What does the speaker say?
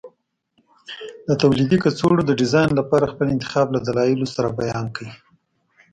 د تولیدي کڅوړو د ډیزاین لپاره خپل انتخاب له دلایلو سره بیان کړئ.